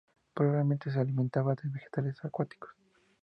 Probablemente se alimentaba de vegetales acuáticos.